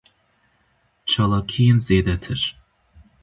Çalakiyên zêdetir.